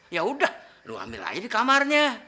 ya udah lu ambil aja di kamarnya